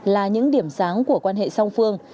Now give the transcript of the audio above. là những điểm sáng của quan hệ song phương